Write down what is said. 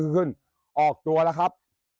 ขึ้นออกตัวแล้วครับ